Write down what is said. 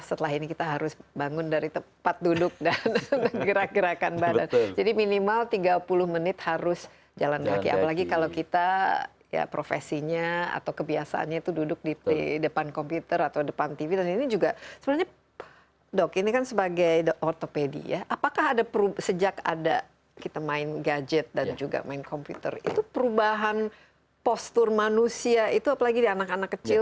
sebenarnya dok ini kan sebagai ortopedi ya apakah ada sejak ada kita main gadget dan juga main komputer itu perubahan postur manusia itu apalagi di anak anak kecil